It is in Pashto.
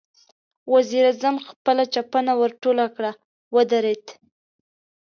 وزير اعظم خپله چپنه ورټوله کړه، ودرېد.